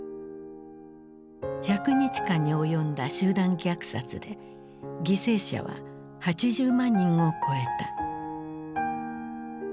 １００日間に及んだ集団虐殺で犠牲者は８０万人を超えた。